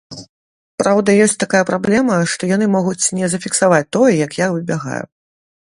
Праўда, ёсць такая праблема, што яны могуць не зафіксаваць тое, як я выбягаю.